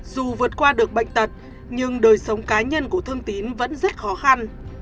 dù vượt qua được bệnh tật nhưng đời sống cá nhân của thương tín vẫn rất khó khăn